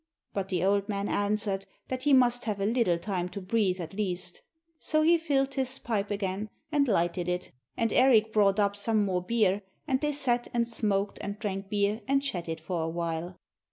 But the old man answered that he must have a little time to breathe at least. So he filled his pipe again and lighted it, and Erik brought up some more beer, and they sat and smoked and drank beer and chatted for a while.